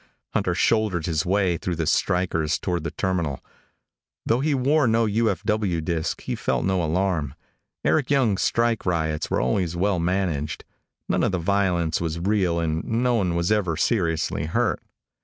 Hunter shouldered his way through the strikers toward the terminal. Though he wore no U.F.W. disc, he felt no alarm. Eric Young's strike riots were always well managed. None of the violence was real and no one was ever seriously hurt.